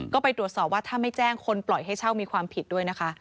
ก็ไปตรวจสอบว่าถ้าไม่แจ้งคนปล่อยให้เช่ามีความผิดด้วยนะคะ